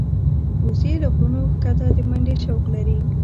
وزې له غرونو ښکته د منډې شوق لري